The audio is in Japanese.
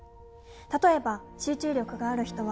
「例えば集中力がある人は」